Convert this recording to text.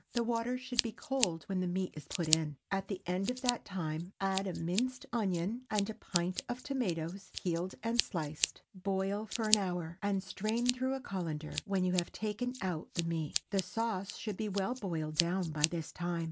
The water should be cold when the meat is put in. At the end of that time, add a minced onion and a pint of tomatoes peeled and sliced. Boil for an hour, and strain through a cullender when you have taken out the meat. The sauce should be well boiled down by this time.